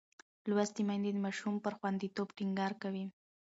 لوستې میندې د ماشوم پر خوندیتوب ټینګار کوي.